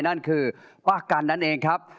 นั่นคือป้ากันนั่นเองครับ